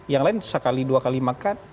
yang lain sekali dua kali makan